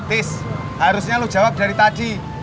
tis harusnya lu jawab dari tadi